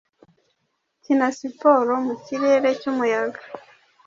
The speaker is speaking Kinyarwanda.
Ukina siporo mu kirere cyumuyaga,